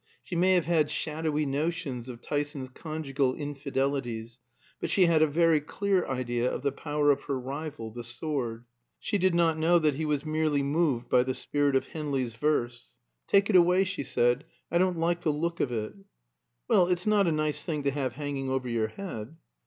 She may have had shadowy notions of Tyson's conjugal infidelities, but she had a very clear idea of the power of her rival, the sword. She did not know that he was merely moved by the spirit of Henley's verse. "Take it away," she said; "I don't like the look of it." "Well, it's not a nice thing to have hanging over your head."